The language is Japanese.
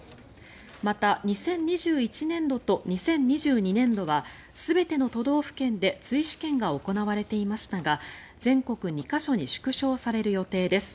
また２０２１年度と２０２２年度は全ての都道府県で追試験が行われていましたが全国２か所に縮小される予定です。